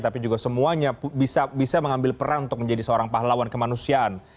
tapi juga semuanya bisa mengambil peran untuk menjadi seorang pahlawan kemanusiaan